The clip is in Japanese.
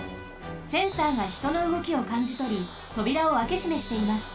センサーがひとのうごきをかんじとりとびらをあけしめしています。